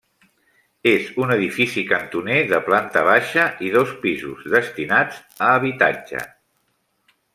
És un edifici cantoner de planta baixa i dos pisos destinats a habitatge.